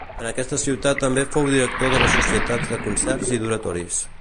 En aquesta ciutat també fou director de les societats de concerts i d'oratoris.